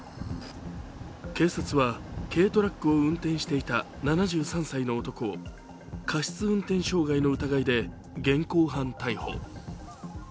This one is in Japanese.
警察は軽トラックを運転していた７３歳の男を過失運転傷害の疑いで現行犯逮捕。